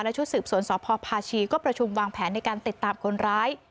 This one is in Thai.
ชุดสืบสวนสพพาชีก็ประชุมวางแผนในการติดตามคนร้าย